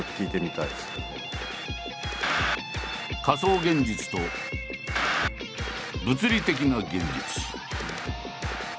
仮想現実と物理的な現実。